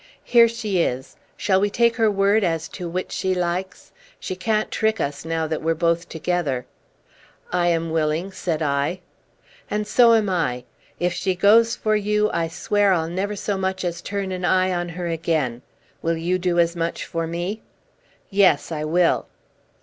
"Here she is. Shall we take her word as to which she likes? She can't trick us now that we're both together." "I am willing," said I. "And so am I. If she goes for you, I swear I'll never so much as turn an eye on her again. Will you do as much for me?" "Yes, I will."